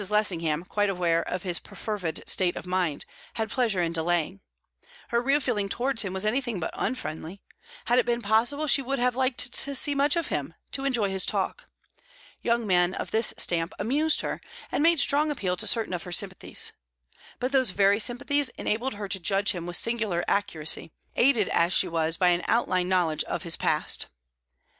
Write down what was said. Lessingham, quite aware of his perfervid state of mind, had pleasure in delaying. Her real feeling towards him was anything but unfriendly; had it been possible, she would have liked to see much of him, to enjoy his talk. Young men of this stamp amused her, and made strong appeal to certain of her sympathies. But those very sympathies enabled her to judge him with singular accuracy, aided as she was by an outline knowledge of his past.